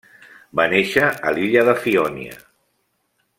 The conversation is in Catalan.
Va néixer a l'illa de Fiònia.